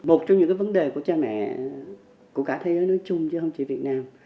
một trong những vấn đề của cha mẹ của cả thế giới nói chung chứ không chỉ việt nam